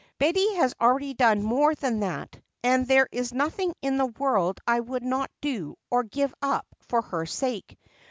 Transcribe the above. Betty has already done more than that and there is nothing in the world I would not do or give up for her sake.